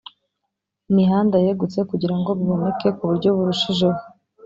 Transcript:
imihanda yegutse kugirango biboneke ku buryo burushijeho.